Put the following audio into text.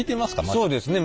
そうですね。